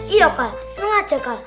iya kak nunggu aja kak